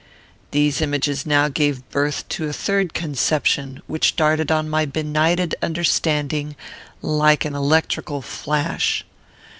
"These images now gave birth to a third conception, which darted on my benighted understanding like an electrical flash.